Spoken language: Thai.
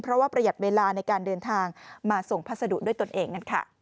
เพราะว่าประหยัดเวลาในการเดินทางมาส่งพัสดุด้วยตนเอง